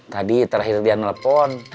tadi terakhir dia nelfon